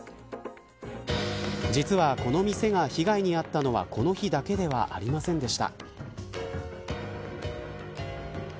実はこの店が被害に遭ったのはこの日だけではありませんでした。